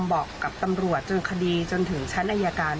บอกกับตำรวจจนคดีจนถึงชั้นอายการ